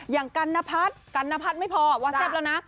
อย่างกันนพัทไม่พอวาซับแล้วนะ